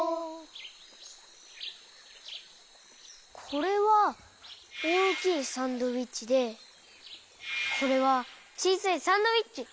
これはおおきいサンドイッチでこれはちいさいサンドイッチ。